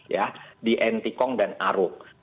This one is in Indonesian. ya di ntkong dan aruk